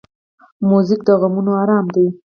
موزیک د غمونو آرام دی.